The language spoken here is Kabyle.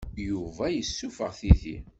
Yuba yessuffeɣ tidi.